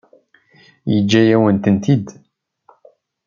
Yeǧǧa-yawen-tent-id?